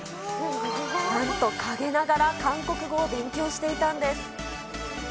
なんと陰ながら韓国語を勉強していたんです。